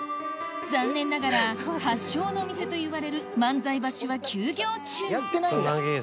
残念ながら発祥のお店といわれる万才橋は休業中やってないんだ。